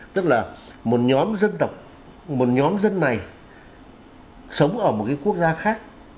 tức là một nhóm dân này sống ở một quốc gia khác